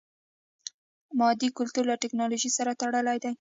مادي کلتور له ټکنالوژي سره تړلی دی.